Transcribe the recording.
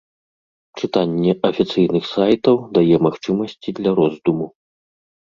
Чытанне афіцыйных сайтаў дае магчымасці для роздуму.